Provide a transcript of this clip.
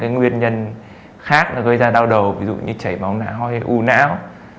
bệnh nhân khác nó gây ra đau đầu ví dụ như chảy máu nạ hoi hay u não